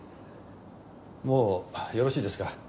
もうよろしいですか？